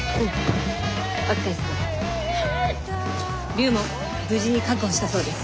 龍門無事に確保したそうです。